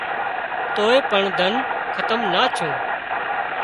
توئي پڻ ڌنَ کتم نا ڇُون